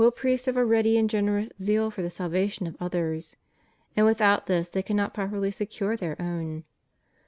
priests have a ready and generous zeal for the salvation of others, and without this they cannot properly secure their own.